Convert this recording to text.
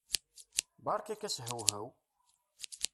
Berka-k ashewhew!